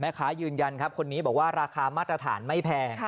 ยืนยันครับคนนี้บอกว่าราคามาตรฐานไม่แพง